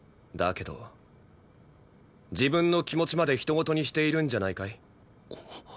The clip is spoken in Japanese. だけど自分の気持ちまで人ごとにしているんじゃないかい？